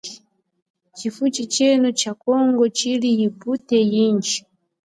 Tshifuchi tshetu tsha congo tshili nyi ubite undji.